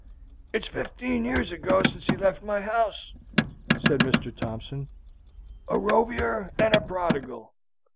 "It's fifteen years ago since he left my house," said Mr. Thompson, "a rovier and a prodigal.